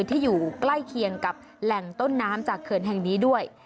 ที่อยู่ใกล้เคียงกับแหล่งต้นน้ำจากเขื่อนแห่งนี้ด้วย